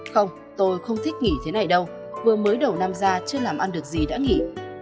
không tôi không thích nghỉ thế này đâu vừa mới đầu năm ra chưa làm ăn được gì đã nghỉ